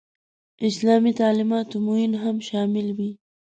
اسلامي تعلیماتو معین هم شامل وي.